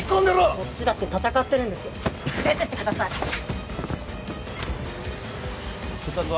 こっちだって戦ってるんです出てってください血圧は？